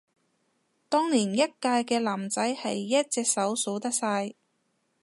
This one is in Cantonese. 當年一屆嘅男仔係一隻手數得晒